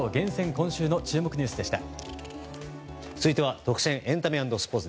今週の注目ニュースでした。